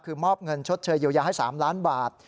คือมอบเงินชดเชยเยียวยาให้๓ล้านบาท